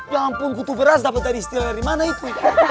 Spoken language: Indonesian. ya ampun kutu beras dapet dari steel dari mana itu